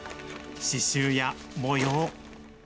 刺しゅうや模様。